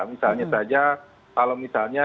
misalnya saja kalau misalnya